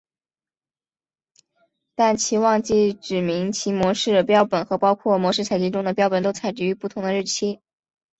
但其忘记指明其模式标本和包括模式采集中的标本都采集于不同的日期。